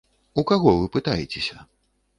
У каго вы пытаецеся?